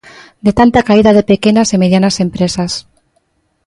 De tanta caída de pequenas e medianas empresas.